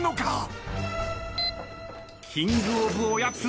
キングオブおやつ。